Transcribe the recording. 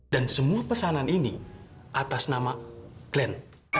dan semua pesanan ini atas nama glenn